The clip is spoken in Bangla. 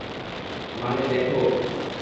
মানে, দেখো ওকে।